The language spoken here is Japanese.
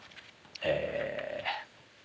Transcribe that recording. え。